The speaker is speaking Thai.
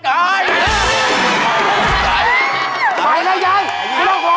โอ้โฮ